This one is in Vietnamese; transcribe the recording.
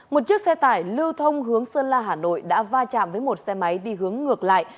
một chiếc xe tải lưu thông hướng sơn la hà nội đã va chạm với một xe máy đi hướng ngược lại